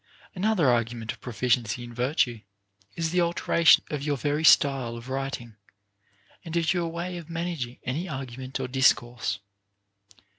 Another argument of proficiency in virtue is the altera tion of your very style of writing, and of your way of managing any argument or discourse.